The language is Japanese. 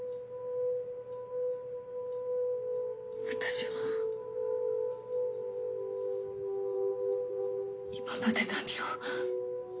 私は今まで何を。